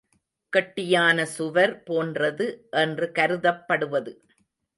கெட்டியான சுவர் போன்றது என்று கருதப்படுவது.